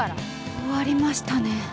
終わりましたね。